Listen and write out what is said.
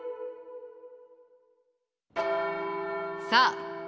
さあ